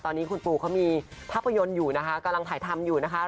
ตอนนี้คุณปูเขามีภาพยนตร์อยู่นะคะกำลังถ่ายทำอยู่นะคะ